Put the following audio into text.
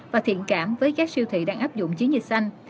và thiện cảm với các siêu thị đang áp dụng chiến dịch xanh